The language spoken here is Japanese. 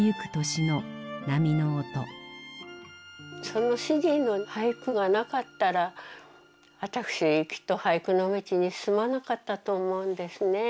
その主人の俳句がなかったら私きっと俳句の道に進まなかったと思うんですね。